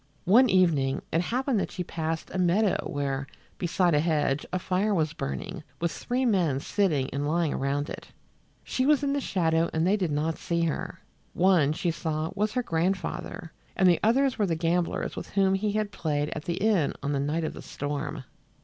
One evening it happened that she passed a meadow where, beside a hedge, a fire was burning, with three men sitting and lying around it. She was in the shadow and they did not see her. One, she saw, was her grandfather, and the others were the gamblers with whom he had played at the inn on the night of the storm.